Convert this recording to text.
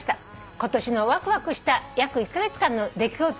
「今年のワクワクした約一カ月間の出来事でした」